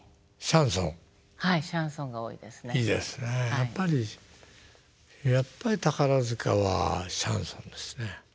やっぱりやっぱり宝塚はシャンソンですね。